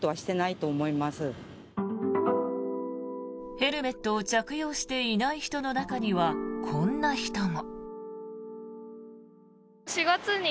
ヘルメットを着用していない人の中にはこんな人も。